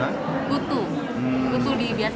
akibat kutu biasa